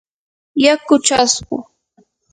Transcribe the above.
yaku chaspu.